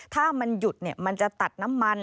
ถ้ามันหยุดมันจะตัดน้ำมัน